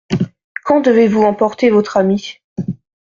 Quand devez-vous emporter votre ami ?